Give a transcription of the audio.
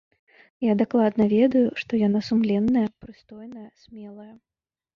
Я дакладна ведаю, што яна сумленная, прыстойная, смелая.